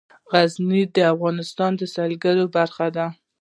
غزني د افغانستان د سیلګرۍ برخه ده.